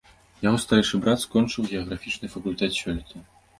Яго старэйшы брат скончыў геаграфічны факультэт сёлета.